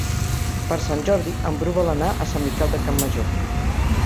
Per Sant Jordi en Bru vol anar a Sant Miquel de Campmajor.